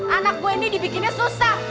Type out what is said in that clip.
anak gue ini dibikinnya susah